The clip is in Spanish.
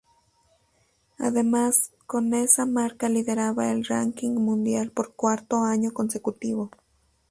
Además con esa marca lideraba el ranking mundial por cuarto año consecutivo.